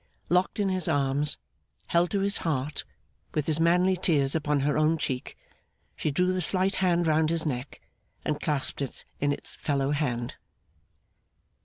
Locked in his arms, held to his heart, with his manly tears upon her own cheek, she drew the slight hand round his neck, and clasped it in its fellow hand.